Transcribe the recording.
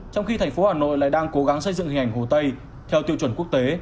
trong khi thành phố hà nội lại đang cố gắng xây dựng hình ảnh hồ tây theo tiêu chuẩn quốc tế